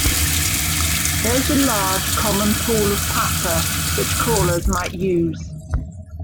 There is a large, common pool of patter which callers might use.